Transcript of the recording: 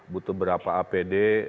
butuh berapa apd